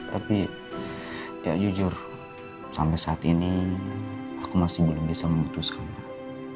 tapi ya jujur sampai saat ini aku masih belum bisa memutuskannya